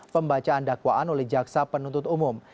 pembacaan dakwaan oleh jaksa penuntut umum